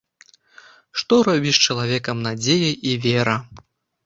Што робіць з чалавекам надзея і вера!